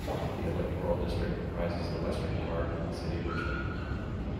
The electoral district comprises the western part of the City of Richmond.